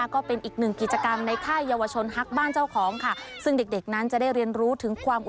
ก็เป็นอีกหนึ่งกิจกรรมในค่ายเยาวชนฮักบ้านเจ้าของค่ะ